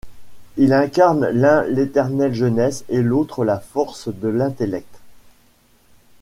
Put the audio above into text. Ils incarnent l'un l'éternelle jeunesse et l'autre la force de l'intellect.